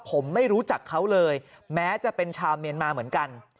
ผมไม่รู้จักเขาเลยแม้จะเป็นชาวเมียนมาเหมือนกัน